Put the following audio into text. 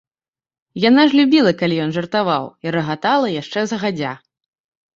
Яна ж любіла, калі ён жартаваў, і рагатала яшчэ загадзя.